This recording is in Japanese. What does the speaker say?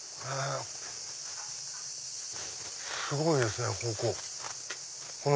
すごいですねここ。